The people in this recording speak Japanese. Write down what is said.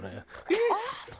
えっ！